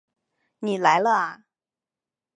你来了啊